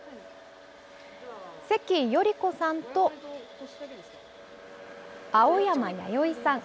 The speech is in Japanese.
関尚子さんと青山弥生さん。